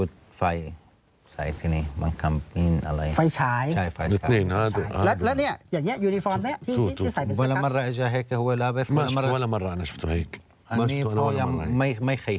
แต่ว่าที่คุณบรรจพรรดิลงไปเห็น